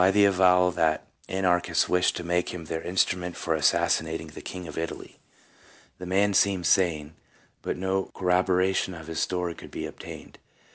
205 police with the avowal that anarchists wished to make him their instrument for assassinating the King of Italy. The man seemed sane, but no corrobora tion of his story could be obtained.